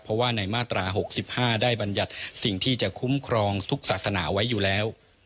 เพราะว่าในมาตรา๖๕ได้บรรยัติสิ่งที่จะคุ้มครองทุกศาสนาไว้อยู่แล้ว